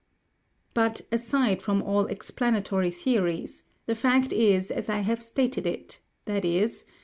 "But, aside from all explanatory theories, the fact is, as I have stated it, viz.